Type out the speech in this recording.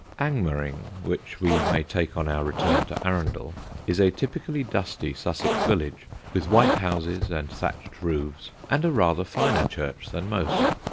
Angmering, which we may take on our return to Arundel, is a typically dusty Sussex village, with white houses and thatched roofs, and a rather finer church than most.